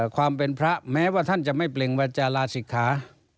ความเป็นพระแม้ว่าท่านจะไม่เปล่งวาจาลาศิกขา